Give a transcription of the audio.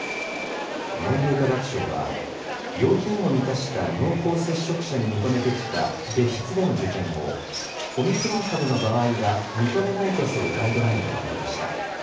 文部科学省は、要件を満たした濃厚接触者に認めてきた別室での受験を、オミクロン株の場合は認めないとするガイドラインをまとめました。